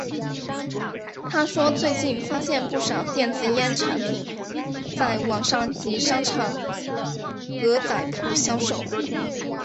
他说最近发现不少电子烟产品在网上及商场格仔铺销售。